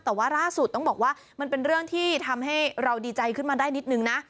แต่ว่าล่าสุดต้องบอกว่ามันเป็นเรื่องที่ทำให้เราดีใจขึ้นมาได้นิดนึงนะ